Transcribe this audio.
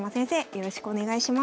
よろしくお願いします。